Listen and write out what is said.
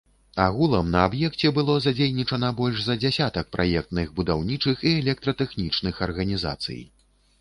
Агулам на аб'екце было задзейнічана больш за дзясятак праектных, будаўнічых і электратэхнічных арганізацый.